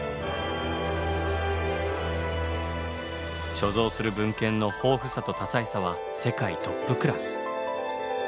所蔵する文献の豊富さと多彩さは世界トップクラス。